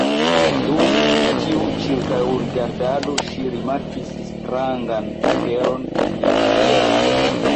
Dum tiu ĉirkaŭrigardado ŝi rimarkis strangan aperon en la aero.